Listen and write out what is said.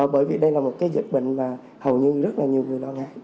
bởi vì đây là một cái dịch bệnh mà hầu như rất là nhiều người lo ngại